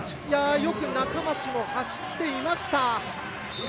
よく中町も走っていました。